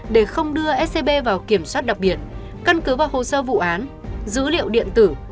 để không đưa scb vào kiểm soát đặc biệt căn cứ vào hồ sơ vụ án dữ liệu điện tử